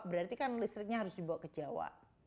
berarti kan listriknya harus dibawa ke jawa